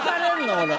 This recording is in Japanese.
俺。